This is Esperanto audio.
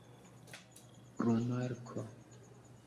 glumarko